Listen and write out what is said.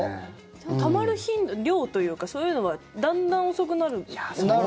そのたまる頻度量というか、そういうのはだんだん遅くなるんですか？